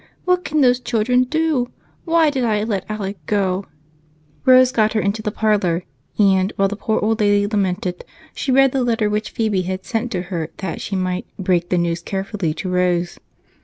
What can those children do? Why did I let Alec go?" Rose got her into the parlor, and while the poor old lady lamented, she read the letter which Phebe had sent to her that she might "break the news carefully to Rose."